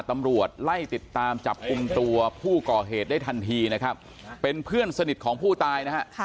ตำรวจไล่ติดตามจับกลุ่มตัวผู้ก่อเหตุได้ทันทีนะครับเป็นเพื่อนสนิทของผู้ตายนะฮะ